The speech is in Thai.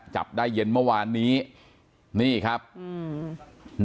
จับได้เย็นเมื่อวานนี้นี่ครับอืม